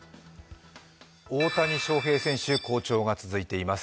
大谷翔平選手、好調が続いています。